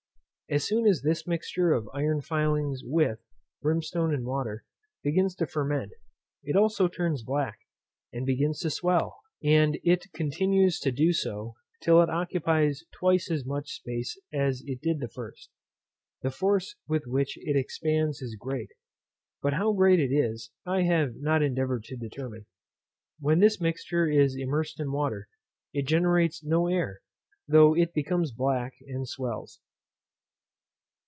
As soon as this mixture of iron filings with, brimstone and water, begins to ferment, it also turns black, and begins to swell, and it continues to do so, till it occupies twice as much space as it did at first. The force with which it expands is great; but how great it is I have not endeavoured to determine. When this mixture is immersed in water, it generates no air, though it becomes black, and swells.